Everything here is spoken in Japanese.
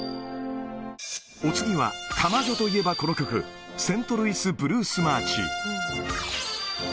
お次は、玉女といえばこの曲、セントルイス・ブルース・マーチ。